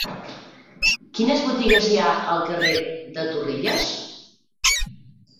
Quines botigues hi ha al carrer de Torrelles?